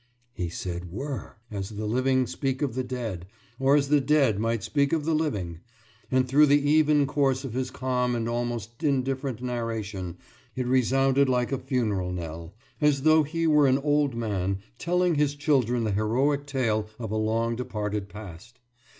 « He said WERE as the living speak of the dead, or as the dead might speak of the living, and through the even course of his calm and almost indifferent narration it resounded like a funeral knell, as though he were an old man telling his children the heroic tale of a long departed past.